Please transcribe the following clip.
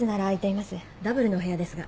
ダブルのお部屋ですが。